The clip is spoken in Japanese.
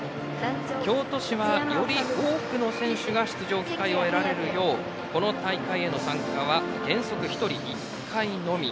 京都市はより多くの選手が出場機会を得られるようこの大会への参加は原則１人１回のみ。